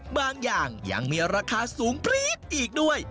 บางอย่างยังมีราคาสูงปรี๊ดอีกด้วย